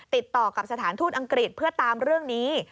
ติดต่อกับสถานทูตอังกฤษเพื่อตามเรื่องนี้